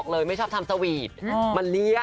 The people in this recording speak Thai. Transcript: เลยไม่ชอบทำสวีทมาเลี่ย